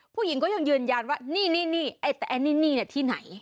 ผู้หญิงก็ยังยืนยันว่านี่แต่ไอ้นี่ที่ไหน